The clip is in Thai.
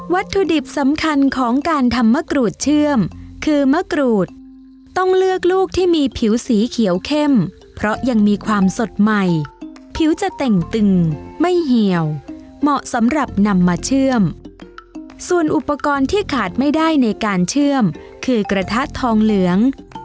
ถุดิบสำคัญของการทำมะกรูดเชื่อมคือมะกรูดต้องเลือกลูกที่มีผิวสีเขียวเข้มเพราะยังมีความสดใหม่ผิวจะเต่งตึงไม่เหี่ยวเหมาะสำหรับนำมาเชื่อมส่วนอุปกรณ์ที่ขาดไม่ได้ในการเชื่อมคือกระทะทองเหลือง